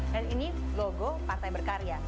dan ini logo partai berkarya